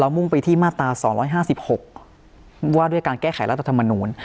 มุ่งไปที่มาตรา๒๕๖ว่าด้วยการแก้ไขรัฐธรรมนูล